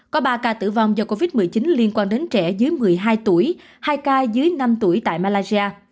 có ba ca tử vong do covid một mươi chín liên quan đến trẻ dưới một mươi hai tuổi hai ca dưới năm tuổi tại malaysia